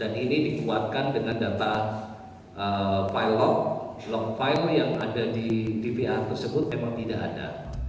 dan ini dikuatkan dengan data log file yang ada di dvr tersebut memang tidak ada